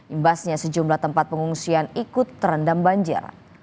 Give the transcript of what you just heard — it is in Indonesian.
imbasnya sejumlah tempat pengungsian ikut terendam banjir